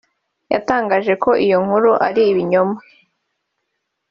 yatangaje ko iyo nkuru ari ibinyoma